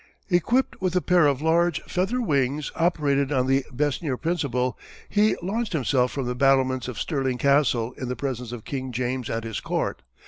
Equipped with a pair of large feather wings operated on the Besnier principle, he launched himself from the battlements of Stirling Castle in the presence of King James and his court.